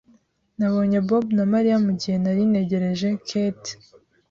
Nabonye Bob na Mariya mugihe nari ntegereje Kate.